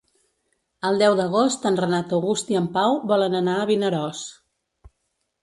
El deu d'agost en Renat August i en Pau volen anar a Vinaròs.